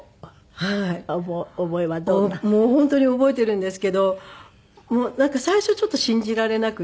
もう本当に覚えているんですけどなんか最初ちょっと信じられなくて。